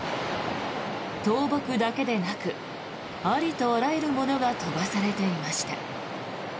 倒木だけでなくありとあらゆるものが飛ばされていました。